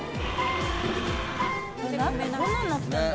中こんなんなってんだ。